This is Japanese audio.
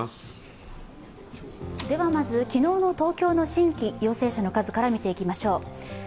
昨日の東京の新規陽性者の数から見ていきましょう。